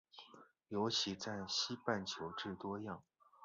尤其在西半球最多样。